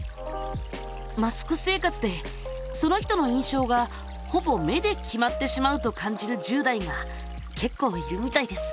マスク生活でその人の印象がほぼ目で決まってしまうと感じる１０代がけっこういるみたいです。